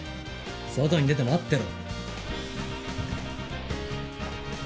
外に出て待ってろ。